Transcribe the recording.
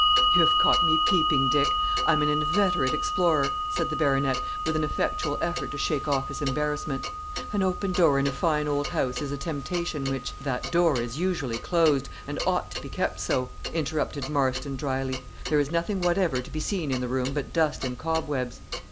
"You have caught me peeping, Dick. I am an inveterate explorer," said the baronet, with an effectual effort to shake off his embarrassment. "An open door in a fine old house is a temptation which " "That door is usually closed, and ought to be kept so," interrupted Marston, drily; "there is nothing whatever to be seen in the room but dust and cobwebs."